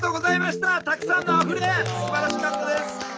たくさんの「あふれ」すばらしかったです。